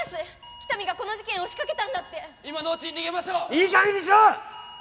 喜多見がこの事件を仕掛けたんだって今のうちに逃げましょういいかげんにしろ！